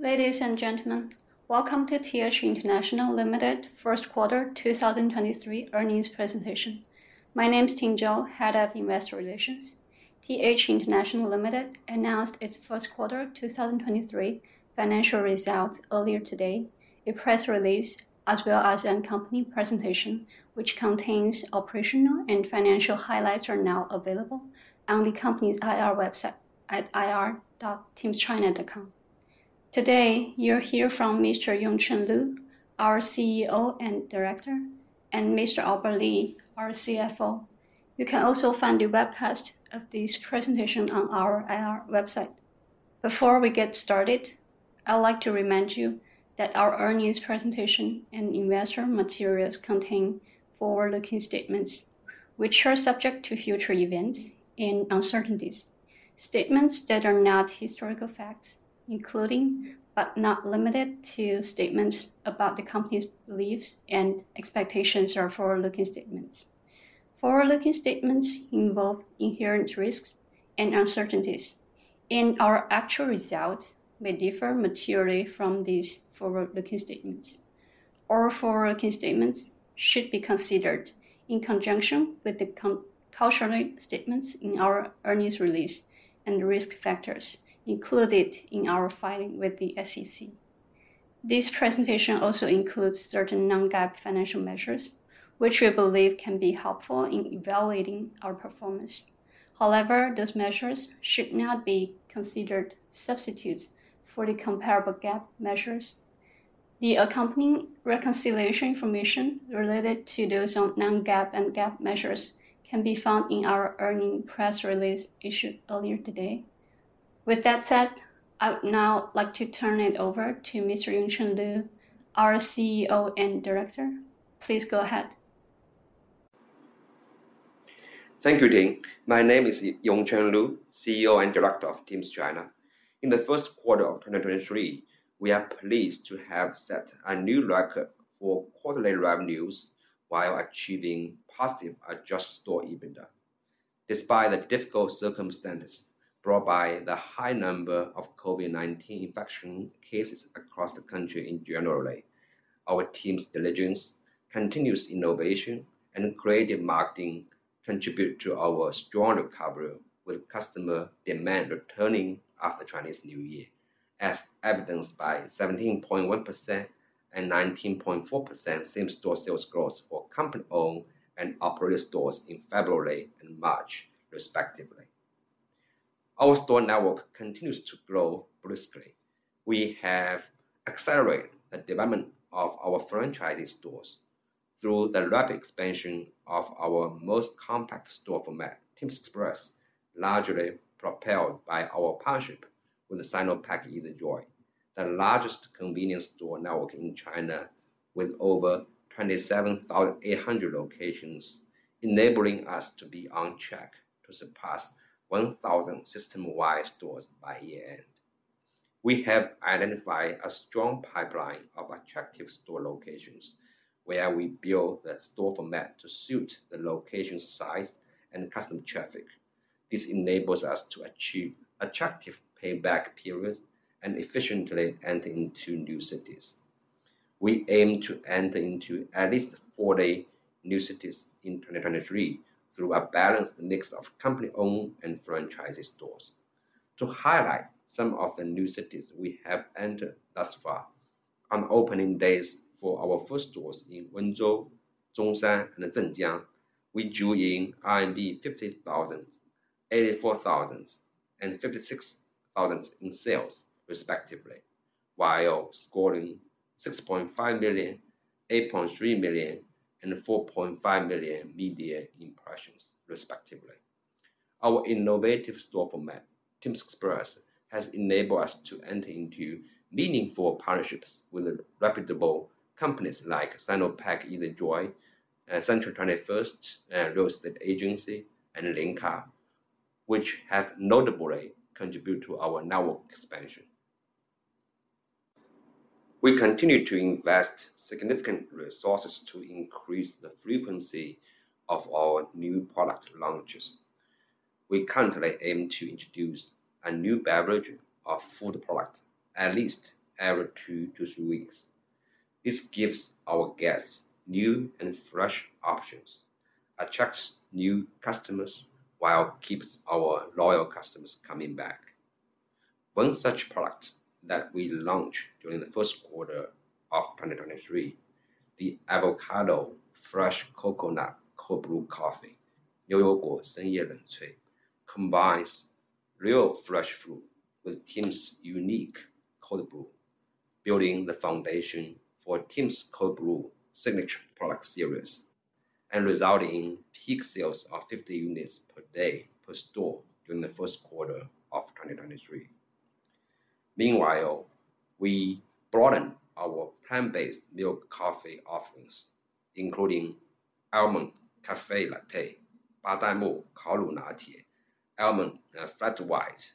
Ladies and gentlemen, welcome to TH International Limited first quarter 2023 earnings presentation. My name is Ting Zhou, Head of Investor Relations. TH International Limited announced its first quarter 2023 financial results earlier today. A press release, as well as a company presentation, which contains operational and financial highlights, are now available on the company's IR website at ir.timschina.com. Today, you'll hear from Mr. Yongchen Lu, our CEO and Director, and Mr. Albert Li, our CFO. You can also find the webcast of this presentation on our IR website. Before we get started, I'd like to remind you that our earnings presentation and investor materials contain forward-looking statements, which are subject to future events and uncertainties. Statements that are not historical facts, including, but not limited to, statements about the company's beliefs and expectations, are forward-looking statements. Forward-looking statements involve inherent risks and uncertainties, and our actual results may differ materially from these forward-looking statements. All forward-looking statements should be considered in conjunction with the cautionary statements in our earnings release and risk factors included in our filing with the SEC. This presentation also includes certain non-GAAP financial measures, which we believe can be helpful in evaluating our performance. However, those measures should not be considered substitutes for the comparable GAAP measures. The accompanying reconciliation information related to those on non-GAAP and GAAP measures can be found in our earnings press release issued earlier today. With that said, I would now like to turn it over to Mr. Yongchen Lu, our CEO and Director. Please go ahead. Thank you, Ting. My name is Yongchen Lu, CEO and Director of Tims China. In the first quarter of 2023, we are pleased to have set a new record for quarterly revenues while achieving positive adjusted store EBITDA. Despite the difficult circumstances brought by the high number of COVID-19 infection cases across the country in general, our team's diligence, continuous innovation, and creative marketing contribute to our strong recovery with customer demand returning after Chinese New Year, as evidenced by 17.1% and 19.4% same-store sales growth for company-owned and operated stores in February and March, respectively. Our store network continues to grow briskly. We have accelerated the development of our franchising stores through the rapid expansion of our most compact store format, Tims Express, largely propelled by our partnership with the Sinopec Easy Joy, the largest convenience store network in China, with over 27,800 locations, enabling us to be on track to surpass 1,000 system-wide stores by year-end. We have identified a strong pipeline of attractive store locations, where we build the store format to suit the location, size, and customer traffic. This enables us to achieve attractive payback periods and efficiently enter into new cities. We aim to enter into at least 40 new cities in 2023 through a balanced mix of company-owned and franchisee stores. To highlight some of the new cities we have entered thus far, on opening days for our first stores in Wenzhou, Zhongshan, and Zhenjiang, we drew in RMB 50,000, 84,000, and 56,000 in sales, respectively, while scoring 6.5 million, 8.3 million, and 4.5 million media impressions, respectively. Our innovative store format, Tims Express, has enabled us to enter into meaningful partnerships with reputable companies like Sinopec Easy Joy, Century 21 Real Estate Agency, and Ling Ka, which have notably contributed to our network expansion. We continue to invest significant resources to increase the frequency of our new product launches. We currently aim to introduce a new beverage or food product at least every two to three weeks. This gives our guests new and fresh options, attracts new customers, while keeps our loyal customers coming back. One such product that we launched during the first quarter of 2023, the Avocado Fresh Coconut Cold Brew Coffee, combines real fresh fruit with Tims unique cold brew, building the foundation for Tims Cold Brew signature product series, and resulting in peak sales of 50 units per day per store during the first quarter of 2023. Meanwhile, we broadened our plant-based milk coffee offerings, including Almond Caffè Latte, Almond flat white,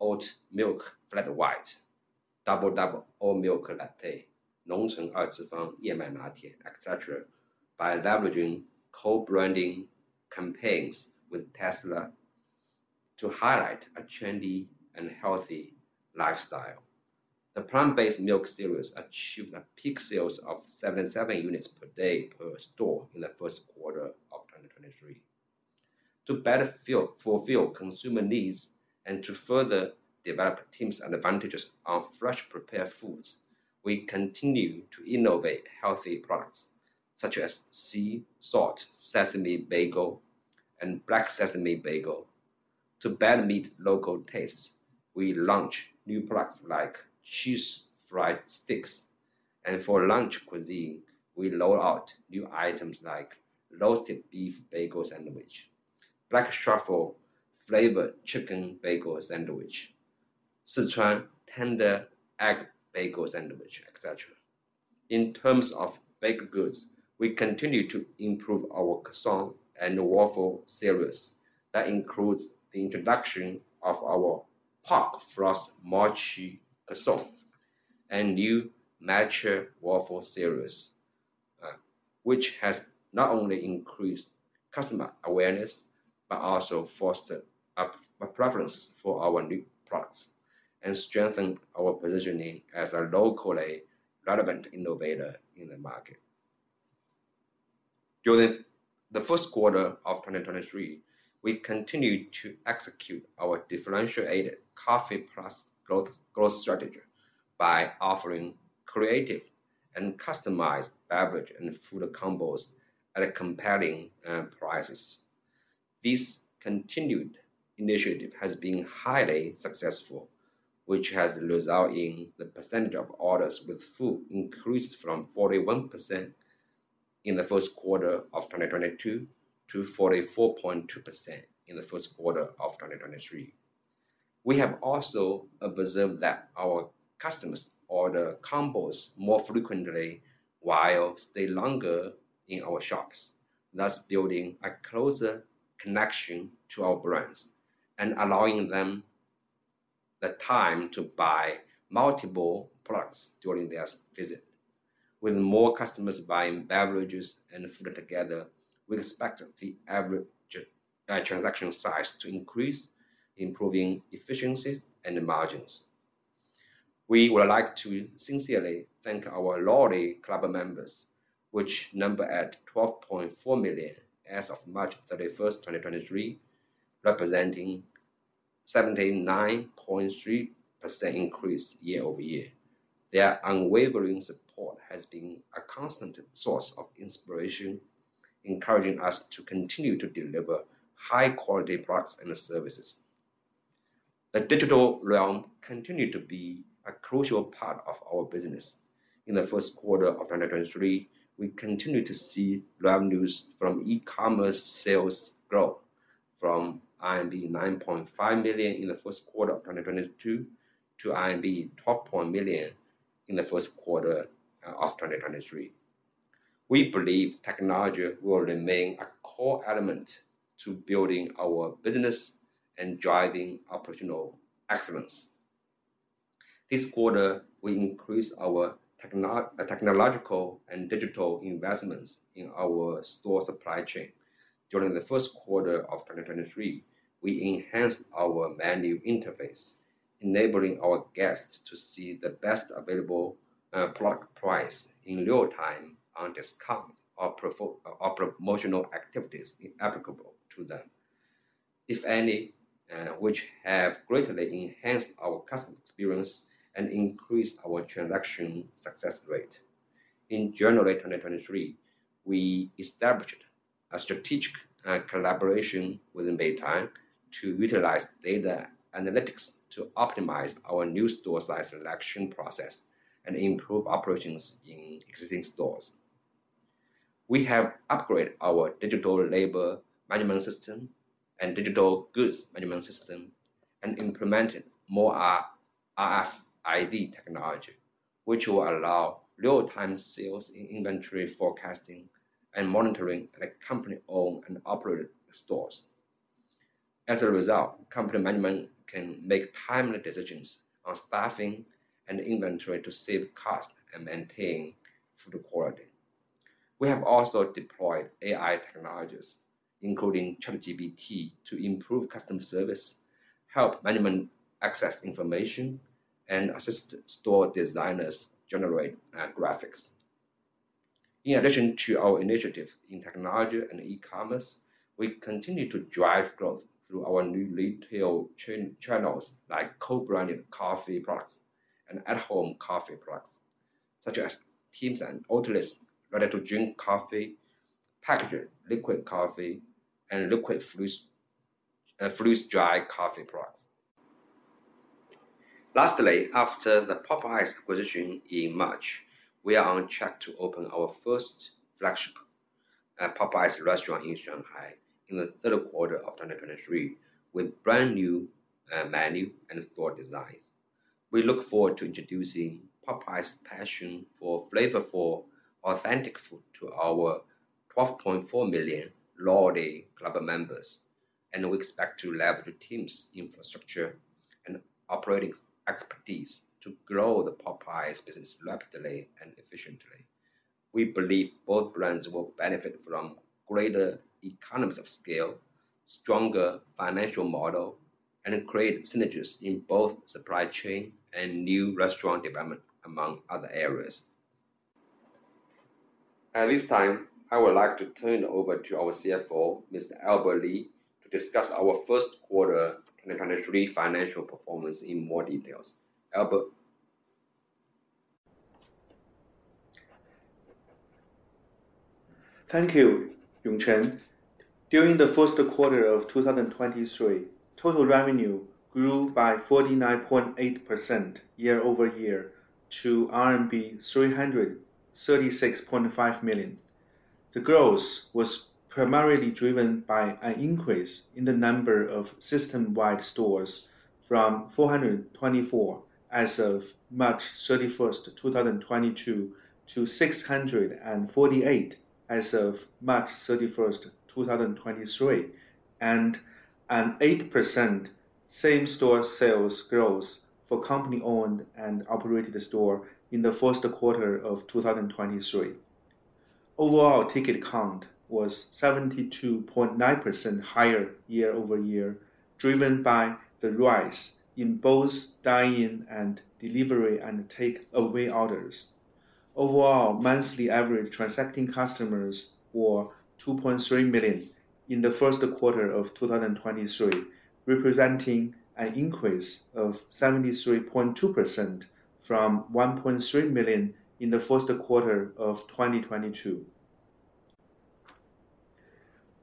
Oat Milk Flat White, Double Double Oat Milk Latte, et cetera, by leveraging co-branding campaigns with Tesla to highlight a trendy and healthy lifestyle. The plant-based milk series achieved a peak sales of 77 units per day per store in the first quarter of 2023. To better fulfill consumer needs and to further develop Tims' advantages on fresh prepared foods, we continue to innovate healthy products such as sea salt sesame bagel and black sesame bagel. To better meet local tastes, we launch new products like cheese fried sticks. For lunch cuisine, we roll out new items like roasted beef bagel sandwich, black truffle flavored chicken bagel sandwich, Sichuan tender egg bagel sandwich, et cetera. In terms of baked goods, we continue to improve our croissant and waffle series. That includes the introduction of our Pork Floss Mochi Croissant, and new nutty waffle series, which has not only increased customer awareness, but also fostered up preferences for our new products and strengthened our positioning as a locally relevant innovator in the market. During the first quarter of 2023, we continued to execute our differentiated coffee plus growth strategy by offering creative and customized beverage and food combos at compelling prices. This continued initiative has been highly successful, which has result in the percentage of orders with food increased from 41% in the first quarter of 2022 to 44.2% in the first quarter of 2023. We have also observed that our customers order combos more frequently while stay longer in our shops, thus building a closer connection to our brands and allowing them the time to buy multiple products during their visit. With more customers buying beverages and food together, we expect the average transaction size to increase, improving efficiency and margins. We would like to sincerely thank our loyalty club members, which number at 12.4 million as of March 31, 2023, representing 79.3% increase year-over-year. Their unwavering support has been a constant source of inspiration, encouraging us to continue to deliver high quality products and services. The digital realm continued to be a crucial part of our business. In the first quarter of 2023, we continued to see revenues from e-commerce sales grow from 9.5 million in the first quarter of 2022 to 12 million in the first quarter of 2023. We believe technology will remain a core element to building our business and driving operational excellence. This quarter, we increased our technological and digital investments in our store supply chain. During the first quarter of 2023, we enhanced our menu interface, enabling our guests to see the best available product price in real time on discount or promotional activities applicable to them, if any, which have greatly enhanced our customer experience and increased our transaction success rate. In January 2023, we established a strategic collaboration within Meituan to utilize data analytics to optimize our new store size selection process and improve operations in existing stores. We have upgraded our digital labor management system and digital goods management system and implemented more RFID technology, which will allow real-time sales in inventory forecasting and monitoring at company-owned and operated stores. As a result, company management can make timely decisions on staffing and inventory to save cost and maintain food quality. We have also deployed AI technologies, including ChatGPT, to improve customer service, help management access information, and assist store designers generate graphics. In addition to our initiative in technology and e-commerce, we continue to drive growth through our new retail channels, like co-branded coffee products and at-home coffee products, such as Tim's and Oatly ready to drink coffee, packaged liquid coffee, and liquid freeze-dried coffee products. Lastly, after the Popeyes acquisition in March, we are on track to open our first flagship Popeyes restaurant in Shanghai in the third quarter of 2023, with brand new menu and store designs. We look forward to introducing Popeye's Passion for flavorful, authentic food to our 12.4 million loyalty club members, and we expect to leverage Tim's infrastructure and operating expertise to grow the Popeyes business rapidly and efficiently. We believe both brands will benefit from greater economies of scale, stronger financial model, and create synergies in both supply chain and new restaurant development, among other areas. At this time, I would like to turn over to our CFO, Mr. Albert Li, to discuss our first quarter 2023 financial performance in more details. Albert? Thank you, Yongchen. During the first quarter of 2023, total revenue grew by 49.8% year-over-year to RMB 336.5 million. The growth was primarily driven by an increase in the number of system-wide stores from 424 as of March 31st, 2022, to 648 as of March 31st, 2023, and an 8% same-store sales growth for company-owned and operated store in the first quarter of 2023. Overall, ticket count was 72.9% higher year-over-year, driven by the rise in both dine-in and delivery and takeaway orders. Overall, monthly average transacting customers were 2.3 million in the first quarter of 2023, representing an increase of 73.2% from 1.3 million in the first quarter of 2022.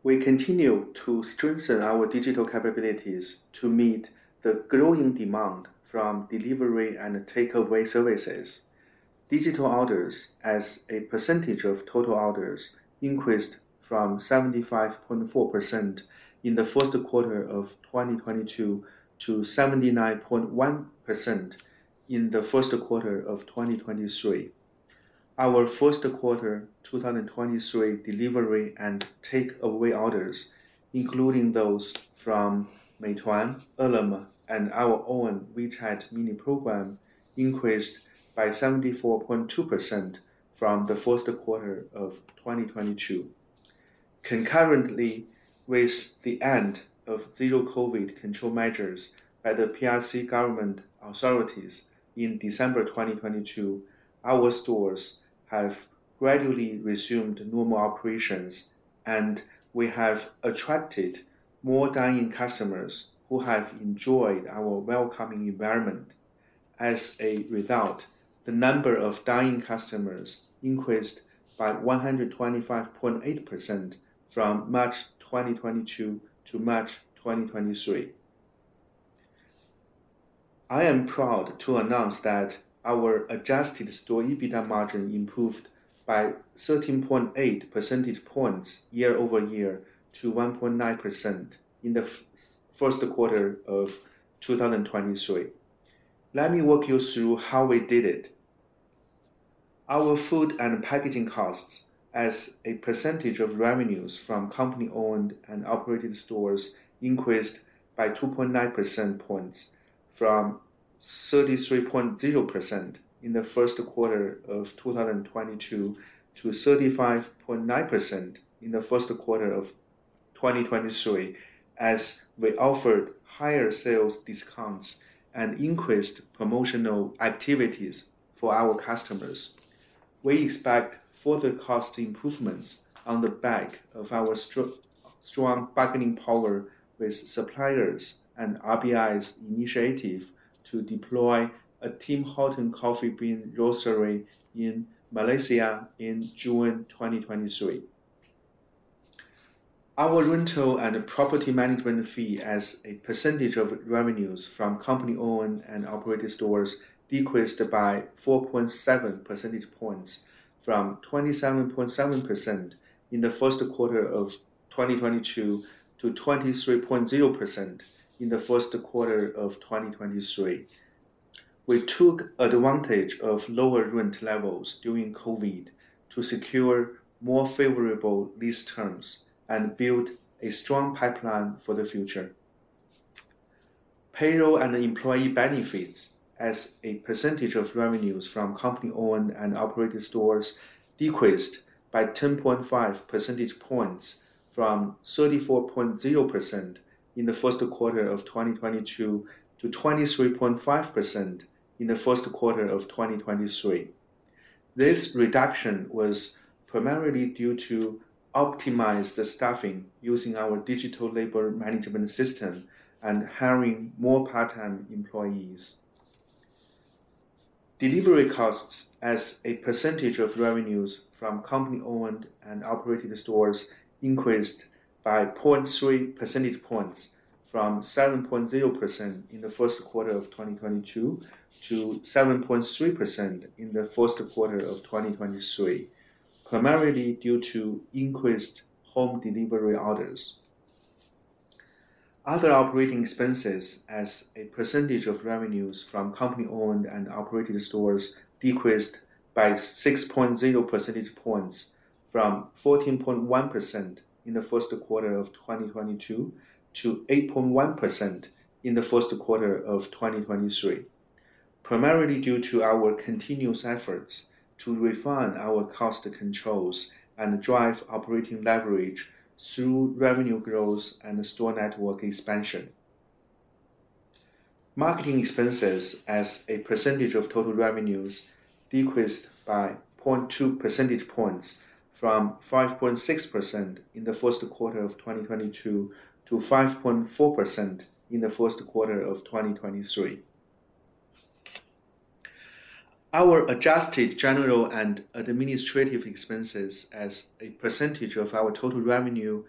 We continue to strengthen our digital capabilities to meet the growing demand from delivery and takeaway services. Digital orders, as a percentage of total orders, increased from 75.4% in the first quarter of 2022 to 79.1% in the first quarter of 2023. Our first quarter 2023 delivery and takeaway orders, including those from Meituan, Ele.me, and our own WeChat Mini Program, increased by 74.2% from the first quarter of 2022. Concurrently, with the end of zero-COVID control measures by the PRC government authorities in December 2022, our stores have gradually resumed normal operations, and we have attracted more dine-in customers who have enjoyed our welcoming environment. As a result, the number of dine-in customers increased by 125.8% from March 2022 to March 2023. I am proud to announce that our adjusted store EBITDA margin improved by 13.8 percentage points year-over-year to 1.9% in the first quarter of 2023. Let me walk you through how we did it. Our food and packaging costs as a percentage of revenues from company-owned and operated stores increased by 2.9 percent points from 33.0% in the first quarter of 2022 to 35.9% in the first quarter of 2023, as we offered higher sales discounts and increased promotional activities for our customers. We expect further cost improvements on the back of our strong bargaining power with suppliers and RBI's initiative to deploy a Tim Hortons coffee bean roastery in Malaysia in June 2023. Our rental and property management fee as a percentage of revenues from company-owned and operated stores decreased by 4.7 percentage points from 27.7% in the first quarter of 2022 to 23.0% in the first quarter of 2023. We took advantage of lower rent levels during COVID-19 to secure more favorable lease terms and build a strong pipeline for the future. Payroll and employee benefits as a percentage of revenues from company-owned and operated stores decreased by 10.5 percentage points from 34.0% in the first quarter of 2022 to 23.5% in the first quarter of 2023. This reduction was primarily due to optimized staffing using our digital labor management system and hiring more part-time employees. Delivery costs as a percentage of revenues from company-owned and operated stores increased by 0.3 percentage points from 7.0% in the first quarter of 2022 to 7.3% in the first quarter of 2023, primarily due to increased home delivery orders. Other operating expenses as a percentage of revenues from company-owned and operated stores decreased by 6.0 percentage points from 14.1% in the first quarter of 2022 to 8.1% in the first quarter of 2023, primarily due to our continuous efforts to refine our cost controls and drive operating leverage through revenue growth and store network expansion. Marketing expenses as a percentage of total revenues decreased by 0.2 percentage points, from 5.6% in the first quarter of 2022, to 5.4% in the first quarter of 2023. Our adjusted general and administrative expenses as a percentage of our total revenue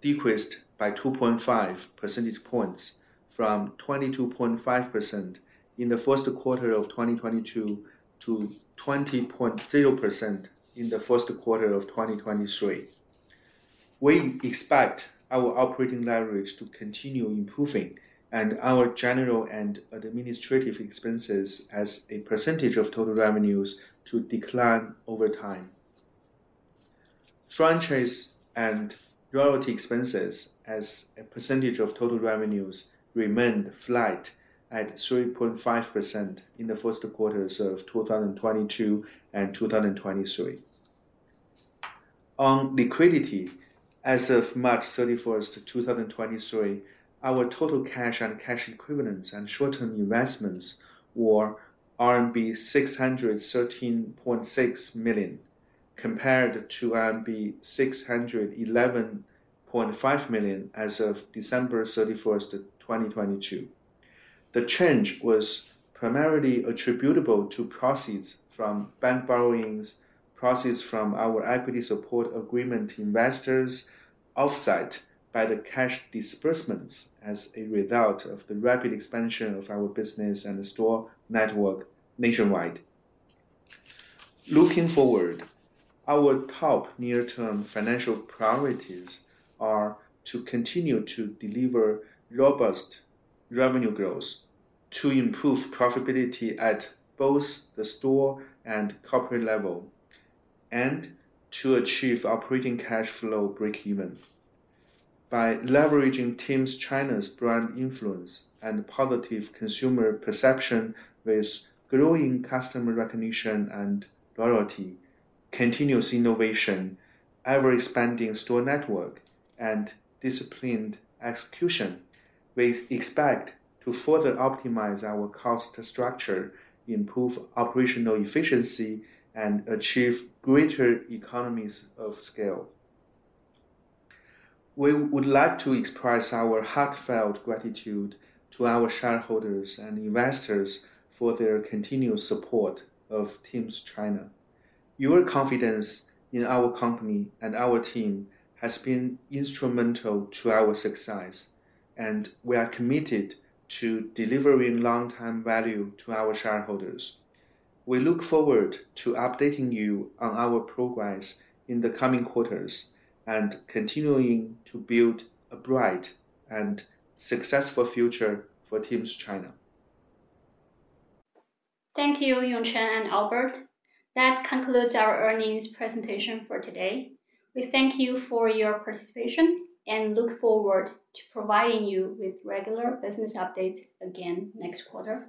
decreased by 2.5 percentage points from 22.5% in the first quarter of 2022, to 20.0% in the first quarter of 2023. We expect our operating leverage to continue improving and our general and administrative expenses as a percentage of total revenues to decline over time. Franchise and royalty expenses as a percentage of total revenues remained flat at 3.5% in the first quarters of 2022 and 2023. On liquidity, as of March 31st, 2023, our total cash and cash equivalents and short-term investments were RMB 613.6 million, compared to RMB 611.5 million as of December 31st, 2022. The change was primarily attributable to proceeds from bank borrowings, proceeds from our Equity Support Agreement investors, offset by the cash disbursements as a result of the rapid expansion of our business and the store network nationwide. Looking forward, our top near-term financial priorities are to continue to deliver robust revenue growth, to improve profitability at both the store and corporate level, and to achieve operating cash flow breakeven. By leveraging Tims China's brand influence and positive consumer perception with growing customer recognition and loyalty, continuous innovation, ever-expanding store network, and disciplined execution, we expect to further optimize our cost structure, improve operational efficiency, and achieve greater economies of scale. We would like to express our heartfelt gratitude to our shareholders and investors for their continuous support of Tims China. Your confidence in our company and our team has been instrumental to our success, and we are committed to delivering long-term value to our shareholders. We look forward to updating you on our progress in the coming quarters and continuing to build a bright and successful future for Tims China. Thank you, Yongchen and Albert. That concludes our earnings presentation for today. We thank you for your participation and look forward to providing you with regular business updates again next quarter.